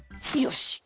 よし。